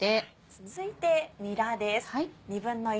続いてにらです。